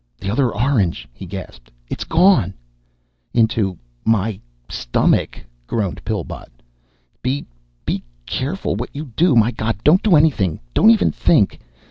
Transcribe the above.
"The other orange," he gasped. "It's gone!" "Into my stomach!" groaned Pillbot. "Be be careful what you do! My God, don't do anything. Don't even think.